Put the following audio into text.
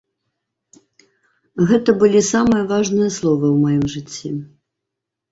Гэта былі самыя важныя словы ў маім жыцці.